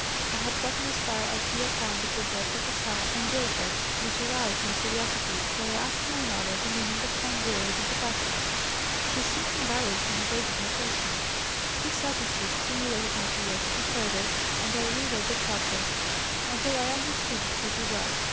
I had gotten as far as the account of the birth of Esau and Jacob, which aroused my curiosity. So I asked my mother the meaning of some word in the passage. She seemed embarrassed and evaded my question. This attitude stimulated my curiosity further, and I re read the chapter until I understood it pretty well.